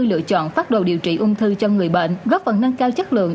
lựa chọn phát đồ điều trị ung thư cho người bệnh góp phần nâng cao chất lượng